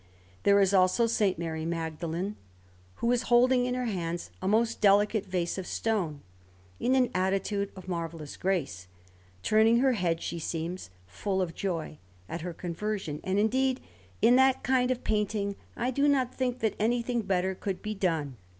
There is also S. Mary Magdalene, who is holding in her hands a most delicate vase of stone, in an attitude of marvellous grace; turning her head, she seems full of joy at her conversion; and indeed, in that kind of painting, I do not think that anything better could be done.